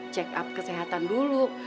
check up kesehatan dulu